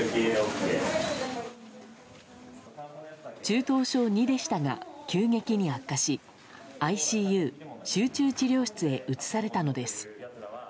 中等症２でしたが急激に悪化しＩＣＵ・集中治療室へ移されたのです。